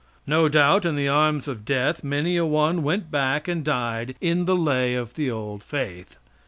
No doubt, in the arms of death, many a one went back and died in the lay of the old faith.